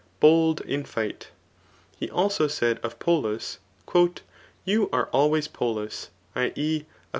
bold in Jight'] He also said of Polus, " You are always Polus [l. e.